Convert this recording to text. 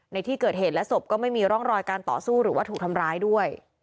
ในที่เกิดเหตุและศพก็ไม่มีร่องรอยการต่อสู้หรือว่าถูกทำร้ายด้วย